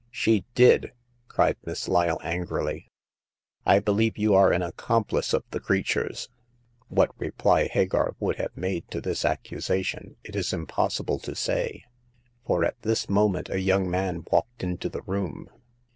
" She did !'* cried Miss Lyle, angrily. *' I be lieve you are an accomplice of the creature's !" What reply Hagar would have made to this accusation it is impossible to say, for at this mo ment a young man walked into the room.